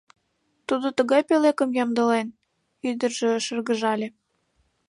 Тудо тыгай пӧлекым ямдылен, — ӱдыржӧ шыргыжале.